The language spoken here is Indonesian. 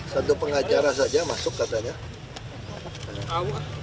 satu pengacara saja masuk katanya